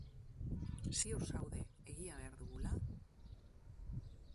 Ziur zaude egia behar dugula?